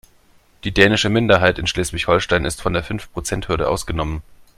Die dänische Minderheit in Schleswig-Holstein ist von der Fünfprozenthürde ausgenommen.